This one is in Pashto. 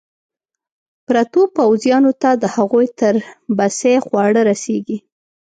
پرتو پوځیانو ته د هغوی تر بسې خواړه رسېږي.